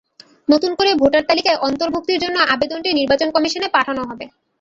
নতুন করে ভোটার তালিকায় অন্তর্ভুক্তির জন্য আবেদনটি নির্বাচন কমিশনে পাঠানো হবে।